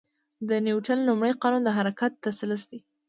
د نیوتن لومړی قانون د حرکت تسلسل دی.